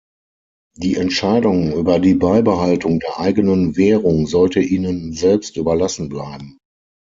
Die Entscheidung über die Beibehaltung der eigenen Währung sollte ihnen selbst überlassen bleiben.